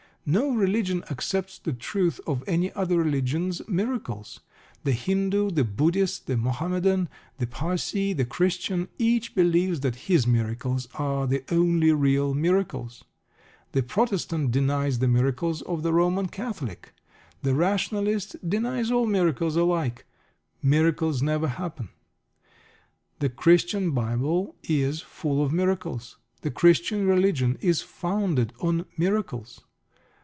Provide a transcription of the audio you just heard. No religion accepts the truth of any other religion's miracles. The Hindoo, the Buddhist, the Mohammedan, the Parsee, the Christian each believes that his miracles are the only real miracles. The Protestant denies the miracles of the Roman Catholic. The rationalist denies all miracles alike. "Miracles never happen." The Christian Bible is full of miracles. The Christian Religion is founded on miracles.